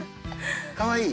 かわいい？